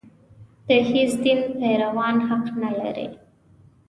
د هېڅ دین پیروان حق نه لري.